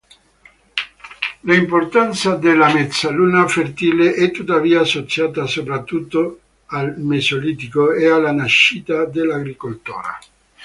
L'importanza della Mezzaluna Fertile è tuttavia associata soprattutto al Mesolitico e alla nascita dell'agricoltura.